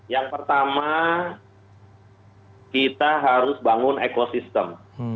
yang pertama kita harus bangun ekosistem